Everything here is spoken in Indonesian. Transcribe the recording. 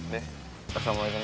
terus sama wajahnya